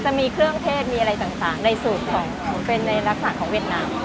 จะมีเครื่องเทศมีอะไรต่างในสูตรของเป็นในลักษณะของเวียดนาม